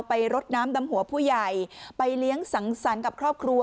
รดน้ำดำหัวผู้ใหญ่ไปเลี้ยงสังสรรค์กับครอบครัว